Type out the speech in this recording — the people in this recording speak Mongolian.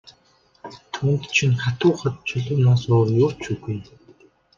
Түүнд чинь хатуу хад чулуунаас өөр юу ч үгүй.